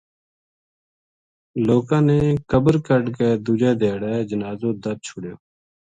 لوکاں نے قبر کڈھ کے دوجے دھیاڑے جنازو دَب چھُڑیو